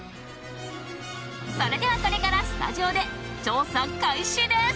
それでは、これからスタジオで調査開始です！